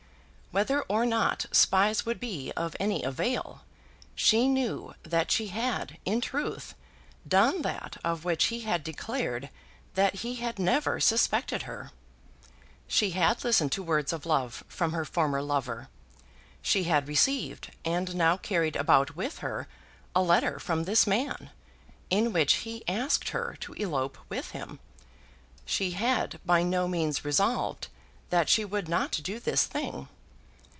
Whether or not spies would be of any avail, she knew that she had in truth done that of which he had declared that he had never suspected her. She had listened to words of love from her former lover. She had received, and now carried about with her a letter from this man, in which he asked her to elope with him. She had by no means resolved that she would not do this thing.